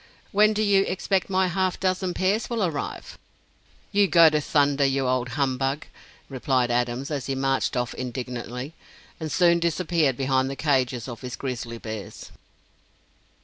When do you expect my half dozen pairs will arrive?" "You go to thunder, you old humbug!" replied Adams, as he marched off indignantly, and soon disappeared behind the cages of his grizzly bears.